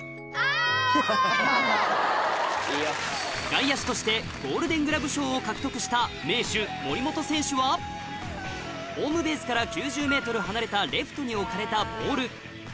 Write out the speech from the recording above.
外野手としてゴールデン・グラブ賞を獲得した名手森本選手はホームベースから９０ｍ離れたレフトに置かれたボール